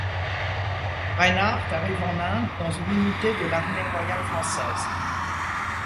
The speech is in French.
Reinhard arrive en Inde dans une unité de l’armée royale française.